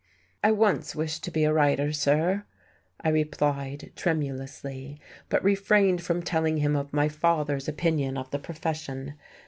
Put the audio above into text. "I once wished to be a writer, sir," I replied tremulously, but refrained from telling him of my father's opinion of the profession.